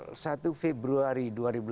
tanggal satu februari dua ribu delapan belas